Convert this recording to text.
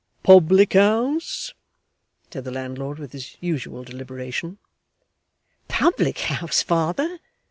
'Public house?' said the landlord, with his usual deliberation. 'Public house, father!